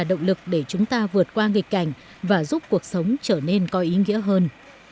cũng là động lực để chúng ta vượt qua nghịch cảnh và giúp cuộc sống trở nên coi ý nghĩa hơn